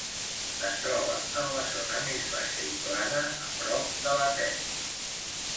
Es troba en la zona més baixa i plana, a prop de la Tet.